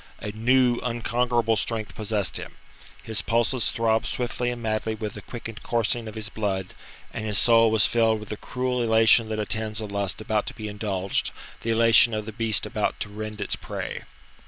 A new, unconquerable strength possessed him; his pulses throbbed swiftly and madly with the quickened coursing of his blood, and his soul was filled with the cruel elation that attends a lust about to be indulged the elation of the beast about to rend its prey.